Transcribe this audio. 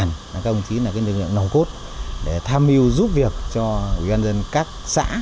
các công chí là cái lực lượng nồng cốt để tham mưu giúp việc cho ủy an dân các xã